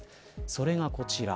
それがこちら。